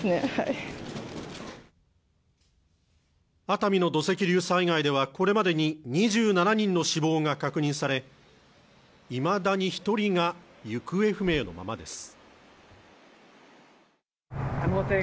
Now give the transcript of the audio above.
熱海の土石流災害ではこれまでに２７人の死亡が確認されいまだに１人が行方不明のままです